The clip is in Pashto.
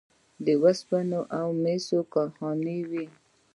د وسپنې او مسو کارخانې وې